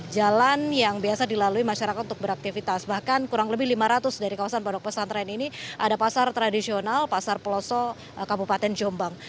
jalan yang biasa dilalui masyarakat untuk beraktivitas bahkan kurang lebih lima ratus dari kawasan pondok pesantren ini ada pasar tradisional pasar peloso kabupaten jombang